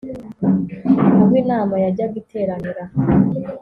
aho inama yajyaga iteranira